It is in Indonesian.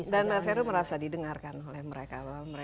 dan mbak feru merasa didengarkan oleh mereka